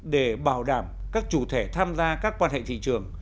để bảo đảm các chủ thể tham gia các quan hệ thị trường